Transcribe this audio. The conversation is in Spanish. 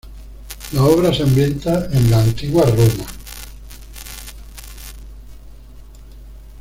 La obra se ambienta en la Antigua Roma.